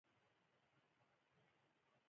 • واده د ژوند ټولې خواوې اغېزمنوي.